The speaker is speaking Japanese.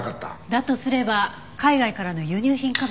だとすれば海外からの輸入品かもしれないわね。